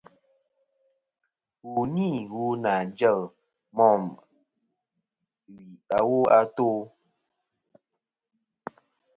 Wu ni wu nà jel môm wì awo a tô.